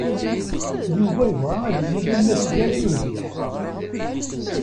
Yuba yebɣa ad yili d amasgad urbiḥ.